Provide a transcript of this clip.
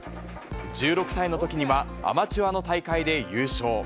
１６歳のときにはアマチュアの大会で優勝。